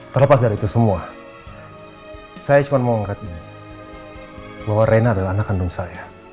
terlepas dari itu semua saya cuma mau angkat bahwa rena adalah anak kandung saya